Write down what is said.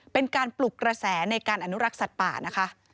เป็นการปลุกกระแสในการอนุรักษ์สัตว์ป่านะคะ